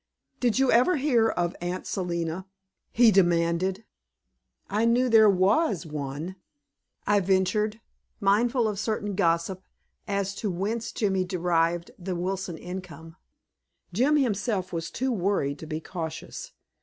"Did you ever hear of Aunt Selina?" he demanded. "I knew there WAS one," I ventured, mindful of certain gossip as to whence Jimmy derived the Wilson income. Jim himself was too worried to be cautious.